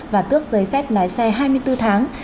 và tước giấy phép lái xe hai mươi bốn tháng